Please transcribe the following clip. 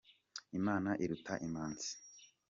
Imana iruta Imanzi.